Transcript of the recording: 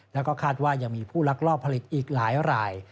แล้วก็คาดว่ายังมีผู้ลักลอบผลิตอีกหลายราย